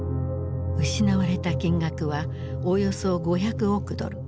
失われた金額はおよそ５００億ドル。